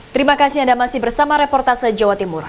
terima kasih anda masih bersama reportase jawa timur